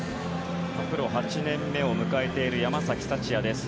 プロ８年目を迎えている山崎福也です。